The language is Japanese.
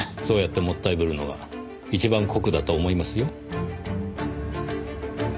そうやってもったいぶるのが一番酷だと思いますよ。